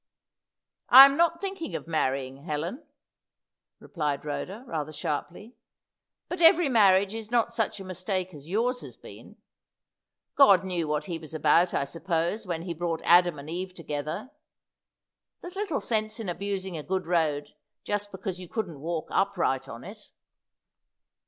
"I'm not thinking of marrying, Helen," replied Rhoda, rather sharply; "but every marriage is not such a mistake as yours has been. God knew what He was about, I suppose, when He brought Adam and Eve together. There's little sense in abusing a good road just because you couldn't walk upright on it."